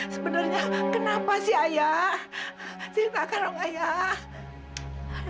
sebenarnya kenapa sih ayah